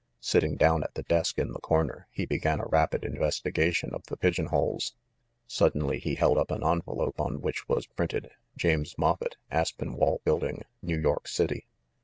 Sitting down at the desk in the corner, he began a rapid investigation of the pigeonholes. Suddenly he held up an envelope on which was printed, "James Moffett, Aspenwall Bldg., New York City."